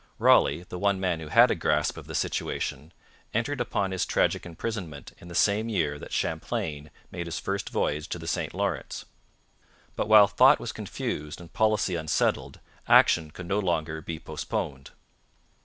Raleigh, the one man who had a grasp of the situation, entered upon his tragic imprisonment in the same year that Champlain made his first voyage to the St Lawrence. But while thought was confused and policy unsettled, action could no longer be postponed.